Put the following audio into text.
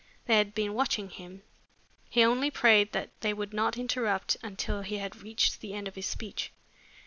They had been watching him. He only prayed that they would not interrupt until he had reached the end of his speech.